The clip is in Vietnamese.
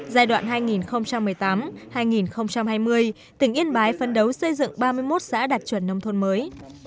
giai đoạn hai nghìn một mươi tám hai nghìn hai mươi tỉnh yên bái phân đấu xây dựng ba mươi một xã đạt chuẩn nông thôn mới